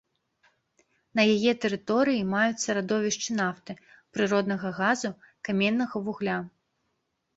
На яе тэрыторыі маюцца радовішчы нафты, прыроднага газу, каменнага вугля.